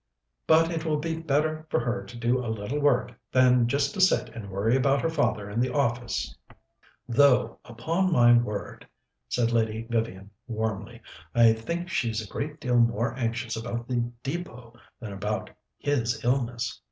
"But it will be better for her to do a little work than just to sit and worry about her father and the office though, upon my word," said Lady Vivian warmly, "I think she's a great deal more anxious about the Depôt than about his illness."